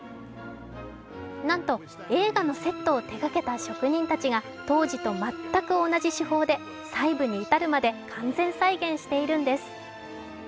なんと映画のセットを手がけた職人たちが当時と全く同じ手法で細部に至るまで完全再現しているんです。